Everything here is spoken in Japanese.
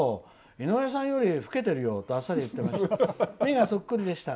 井上さんより老けてるよ！ってあっさり言ってました。